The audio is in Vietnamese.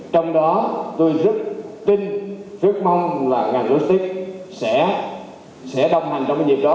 trong đó tôi rất tin rất mong là ngành logistics sẽ đồng hành trong cái việc đó